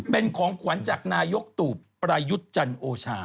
เป็นของขวัญจากนายกตู่ประยุทธ์จันโอชา